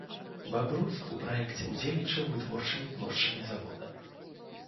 Бабруйск у праекце ўдзельнічаў вытворчымі плошчамі завода.